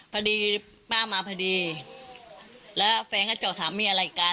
พอดีป้ามาพอดีแล้วแฟนก็จอดถามมีอะไรกัน